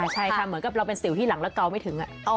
ใช่ค่ะเหมือนกับเราเป็นสิวที่หลังแล้วเกาไม่ถึง